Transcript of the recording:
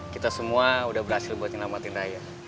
kita semua udah berhasil buat nyelamatin raya